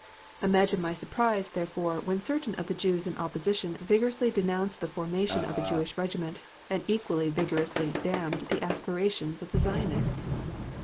Imagine my surprise, therefore, when certain of the Jews in opposition vigorously denounced the formation of a Jewish Regiment, and equally vigorously damned the aspirations of the Zionists!